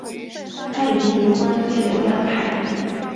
他已经结婚并有两个孩子。